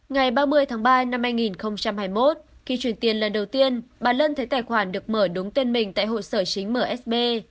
ngày ba mươi tháng ba năm hai nghìn hai mươi một khi chuyển tiền lần đầu tiên bà lân thấy tài khoản được mở đúng tên mình tại hội sở chính msb